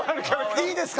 いいですか？